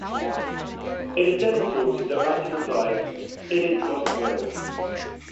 It is then reported that Ratti replied "It is God's will".